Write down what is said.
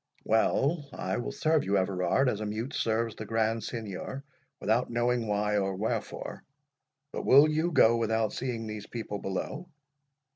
"Well, I will serve you, Everard, as a mute serves the Grand Signior, without knowing why or wherefore. But will you go without seeing these people below?"